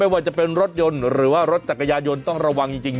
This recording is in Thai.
ว่าจะเป็นรถยนต์หรือว่ารถจักรยายนต้องระวังจริง